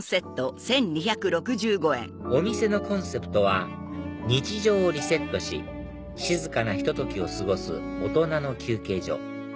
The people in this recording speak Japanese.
お店のコンセプトは「日常をリセットし静かなひと時を過ごす大人の休憩所」